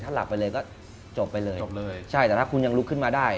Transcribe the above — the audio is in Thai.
ถ้าหลับไปเลยก็จบไปเลยแต่ถ้าคุณยังลุกขึ้นมาได้